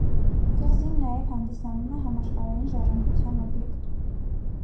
Կղզին նաև հանդիսանում է համաշխարհային ժառանգության օբյեկտ։